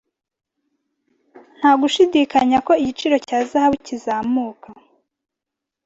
Nta gushidikanya ko igiciro cya zahabu kizamuka